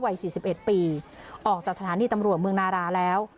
วัย๔๑ปีออกจากสถานีตำรวจเมืองนาราแล้ว